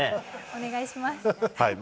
お願いします。